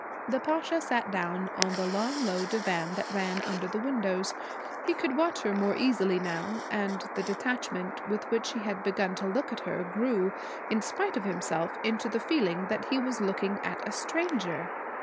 The Pasha sat down on the long low divan that ran under the windows. He could watch her more easily now. And the detachment with which he had begun to look at her grew in spite of him into the feeling that he was looking at a stranger.